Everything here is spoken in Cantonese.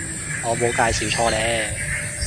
我冇介紹錯呢